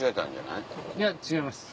いや違います。